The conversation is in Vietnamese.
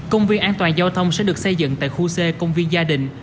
công viên an toàn giao thông sẽ được xây dựng tại khu c công viên gia đình